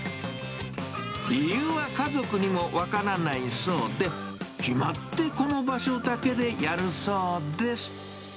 理由は家族にも分からないそうで、決まってこの場所だけでやるそうです。